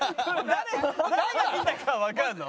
誰誰が見たかはわかるの？